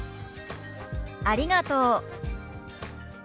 「ありがとう」。